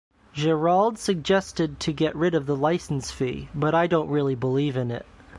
Gérald suggested to get rid of the license-fee, but I don’t really believe in it.